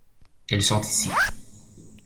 Elles sont ici.